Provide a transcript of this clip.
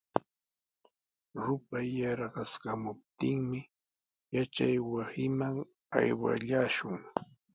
Rupay yarqaskamuptinmi yachaywasiman aywakullaashun.